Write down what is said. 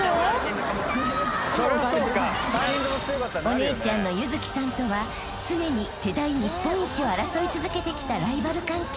［お姉ちゃんの優月さんとは常に世代日本一を争い続けてきたライバル関係］